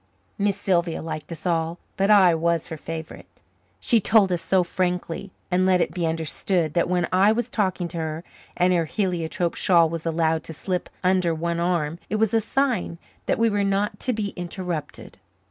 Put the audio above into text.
Miss Sylvia liked us all, but I was her favourite. She told us so frankly and let it be understood that when I was talking to her and her heliotrope shawl was allowed to slip under one arm it was a sign that we were not to be interrupted.